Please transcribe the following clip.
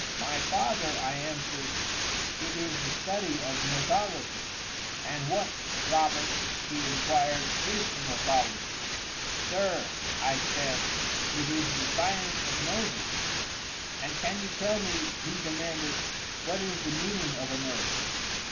"My father," I answered, "it is the study of Nosology." "And what, Robert," he inquired, "is Nosology?" "Sir," I said, "it is the science of Noses." "And can you tell me," he demanded, "what is the meaning of a nose?"